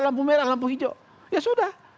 lampu merah lampu hijau ya sudah